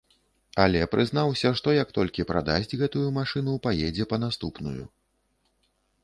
Але прызнаўся, што як толькі прадасць гэтую машыну, паедзе па наступную.